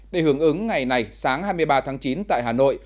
để hưởng ứng ngày này sáng hai mươi ba tháng chín tại hà nội